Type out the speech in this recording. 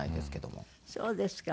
そうですか。